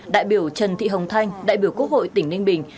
đại biểu trần thị hồng thanh đại biểu quốc hội tỉnh ninh bình